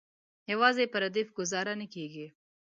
یوازې په ردیف ګوزاره نه کیږي.